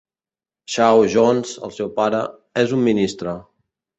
Shawn Jones, el seu pare, és un ministre.